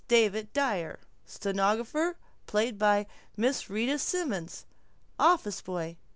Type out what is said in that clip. David Dyer Stenographer ........ Miss Rita Simons Office boy